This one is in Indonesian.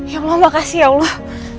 ya allah makasih ya allah